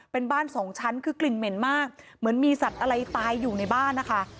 เป็นบ้านสองชั้นคือกลิ่นเหม็นมากเหมือนมีสัตว์อะไรตายอยู่ในบ้านนะคะ